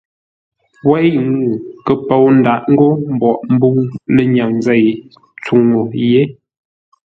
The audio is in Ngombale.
Wêi ŋuu kə pou ndǎʼ ńgó mboʼ mbə̂u lənyaŋ zêi tsúŋu yé.